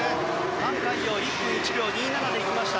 タン・カイヨウ、１分１秒２７で行きました。